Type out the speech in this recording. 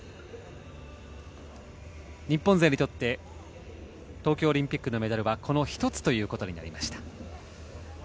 日本勢にとって東京オリンピックのメダルはこの１つということになりました。